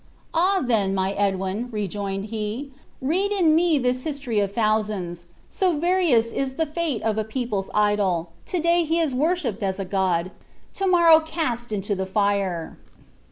"Ah! then, my Edwin," rejoined he, "read in me this history of thousands. So various is the fate of a people's idol; to day he is worshiped as a god, to morrow cast into the fire!"